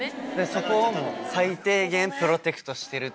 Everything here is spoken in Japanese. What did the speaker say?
そこを最低限プロテクトしてる。